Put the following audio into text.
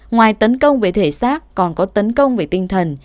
ngoài tấn công về thể xác còn có tấn công về tinh thần